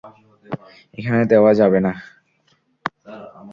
এখানে দেওয়া যাবে না।